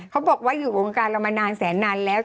เขาบอกว่าอยู่วงการเรามานานแสนนานแล้ว